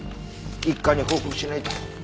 一課に報告しないと。